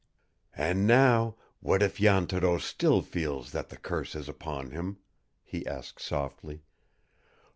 "And NOW what if Jan Thoreau still feels that the curse is upon him?" he asked softly.